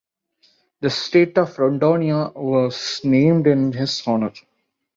The state of Rondônia was named in his honor.